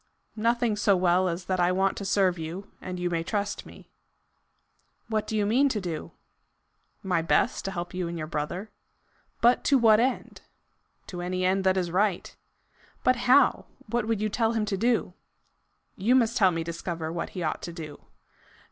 "Nothing so well as that I want to serve you, and you may trust me." "What do you mean to do?" "My best to help you and your brother." "But to what end?" "To any end that is right." "But how? What would you tell him to do?" "You must help me to discover what he ought to do."